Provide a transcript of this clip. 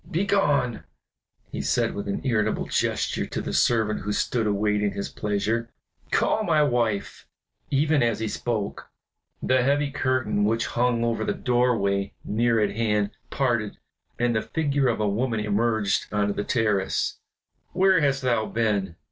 "Begone!" he said with an irritable gesture to the servant who stood awaiting his pleasure. "Call my wife." Even as he spoke, the heavy curtains which hung over the doorway near at hand, parted, and the figure of a woman emerged onto the terrace. "Where hast thou been?"